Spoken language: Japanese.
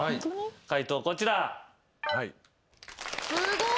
解答こちら。